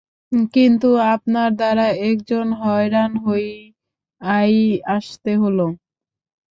কিন্তু আপনার দ্বারা একজন হয়রান হইয়াই আসতে হলো।